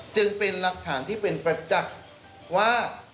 จึงเป็นหลักฐานที่เป็นประจักษ์ว่า